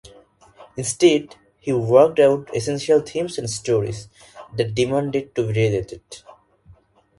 Instead, he worked out the essential themes and stories that demanded to be related.